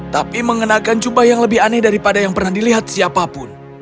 tapi mengenakan jubah yang lebih aneh daripada yang pernah dilihat siapapun